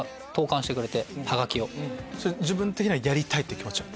自分的にはやりたい気持ちは？